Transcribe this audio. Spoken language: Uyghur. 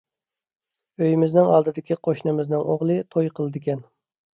ئۆيىمىزنىڭ ئالدىدىكى قوشنىمىزنىڭ ئوغلى توي قىلىدىكەن.